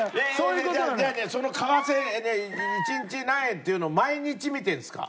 じゃあその為替一日何円っていうのを毎日見てるんすか？